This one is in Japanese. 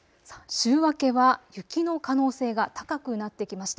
週明けは雪の可能性が高くなってきました。